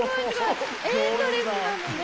エンドレスなのね。